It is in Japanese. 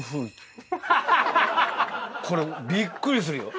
これびっくりするよ。